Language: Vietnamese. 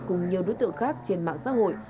cùng nhiều đối tượng khác trên mạng xã hội